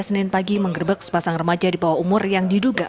senin pagi mengerbek sepasang remaja di bawah umur yang diduga